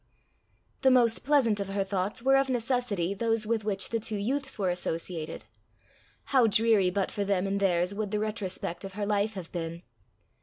The most pleasant of her thoughts were of necessity those with which the two youths were associated. How dreary but for them and theirs would the retrospect of her life have been!